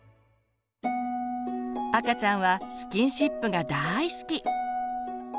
赤ちゃんはスキンシップが大好き。